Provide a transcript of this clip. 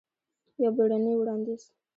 یو بیړنې وړاندیز!